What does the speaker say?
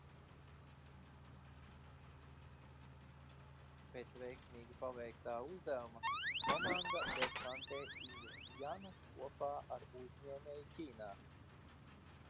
Pēc veiksmīgi paveiktā uzdevuma, komanda desantē Iņu Janu kopā ar uzņēmēju Ķīnā.